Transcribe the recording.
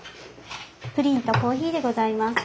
プリンとコーヒーでございます。